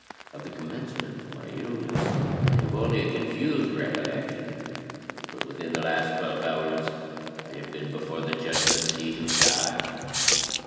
Of the commencement of my illness I have only a confused recollection; but within the last twelve hours I have been before the judgment seat of God.